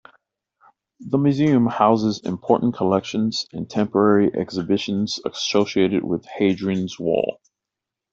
The museum houses important collections and temporary exhibitions associated with Hadrian's Wall.